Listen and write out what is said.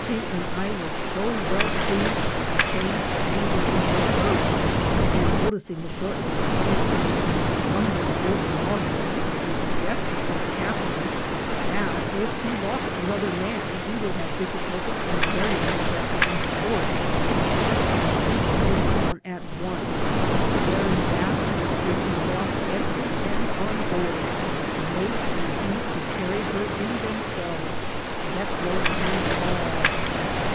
C. and I were so well pleased with the change that we were in no hurry ; and, noticing the shortness of hands, and stumbling over logwood, we suggested to the cap 468 INCIDENTS OF TRAVEL. tain that if he lost another man he would have difficulty in carrying his vessel into port ; but he put this down at once by swearing that, if he lost every hand on board, the mate and he could carry her in themselves, deck load and all.